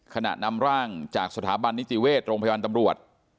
นำร่างจากสถาบันนิติเวชโรงพยาบาลตำรวจ